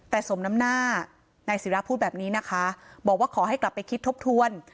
แต่สมน้ำหน้านายศิราพูดแบบนี้นะคะบอกว่าขอให้กลับไปคิดทบทวน